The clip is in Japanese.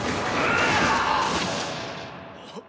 あっ！